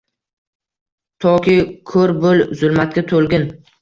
Toki ko‘r bo‘l — zulmatga to‘lgin